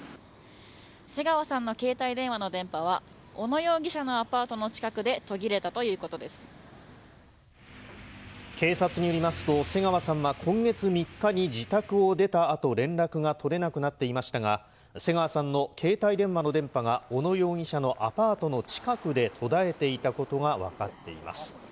瀬川さんの携帯電話の電波は、小野容疑者のアパートの近くで途警察によりますと、瀬川さんは今月３日に自宅を出たあと、連絡が取れなくなっていましたが、瀬川さんの携帯電話の電波が小野容疑者のアパートの近くで途絶えていたことが分かっています。